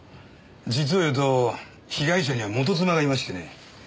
実をいうと被害者には元妻がいましてね。